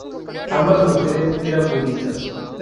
Ambas mujeres eran budistas.